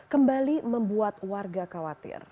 kembali membuat warga khawatir